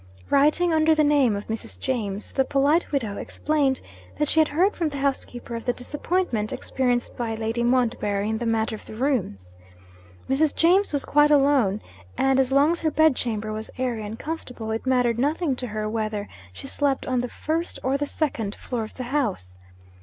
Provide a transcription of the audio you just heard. Writing under the name of Mrs. James, the polite widow explained that she had heard from the housekeeper of the disappointment experienced by Lady Montbarry in the matter of the rooms. Mrs. James was quite alone; and as long as her bed chamber was airy and comfortable, it mattered nothing to her whether she slept on the first or the second floor of the house.